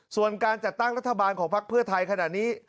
ส่วนการจัดตั้งรัฐบาลของพักเพื่อไทยขณะนี้